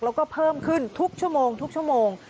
แล้วก็เพิ่มขึ้นทุกชั่วโมง